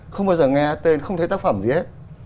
không bao giờ nghe tên không thấy tác phẩm gì hết